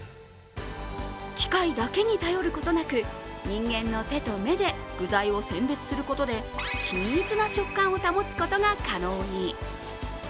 機械だけに頼ることなく、人間の手と目で具材を選別することで均一な食感を保つことが可能に。